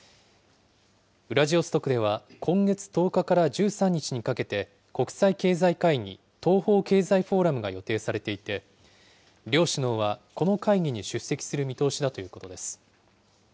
ウラジオストクでは今月１０日から１３日にかけて、国際経済会議、東方経済フォーラムが予定されていて、両首脳はこの会議に出席する見通しだということです。